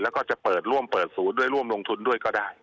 แล้วก็จะเปิดร่วมเปิดศูนย์ด้วยร่วมลงทุนด้วยก็ได้